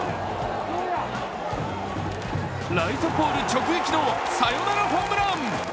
ライトポール直撃のサヨナラホームラン。